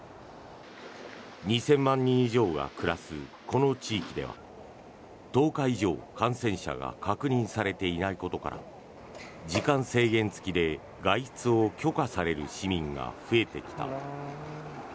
２０００万人以上が暮らすこの地域では１０日以上、感染者が確認されていないことから時間制限付きで外出を許可される市民が増えてきた。